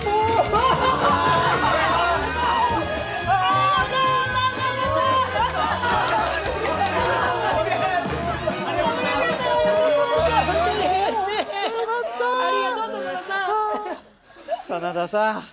真田さん。